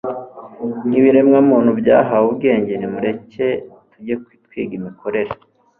nk'ibiremwamuntu byahawe ubwenge, nimureke tujye twiga imikorere